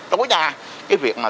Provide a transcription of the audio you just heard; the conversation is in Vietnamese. đối đa cái việc mà